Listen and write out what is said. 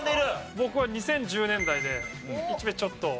僕は２０１０年代で１名ちょっと。